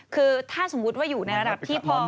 คือถ้าสมมติอยู่ในระดับที่ป่ะ